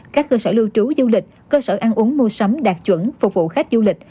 các cơ sở lưu trú du lịch cơ sở ăn uống mua sắm đạt chuẩn phục vụ khách du lịch